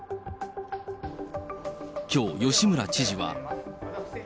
きょう、吉村知事は。